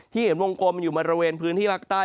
เห็นวงกลมอยู่บริเวณพื้นที่ภาคใต้